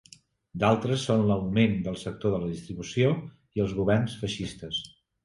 D'altres són l'augment del sector de la distribució i els governs feixistes.